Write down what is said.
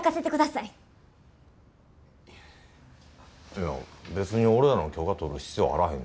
いや別に俺らの許可取る必要あらへんね。